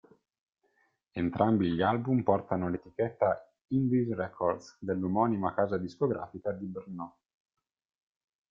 Entrambi gli album portano l'etichetta Indies records dell'omonima casa discografica di Brno.